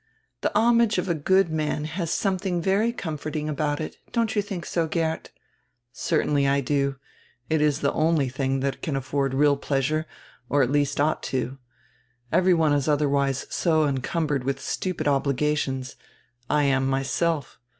"The homage of a good man has somediing very comfort ing about it. Don't you diink so, Geert?" "Certainly I do. It is die only tiling that can afford real pleasure, or at least ought to. Every one is odierwise so encumbered widi stupid obligations — I am myself.